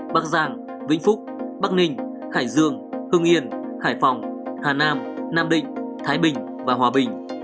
bắc giang vĩnh phúc bắc ninh hải dương hưng yên hải phòng hà nam nam định thái bình và hòa bình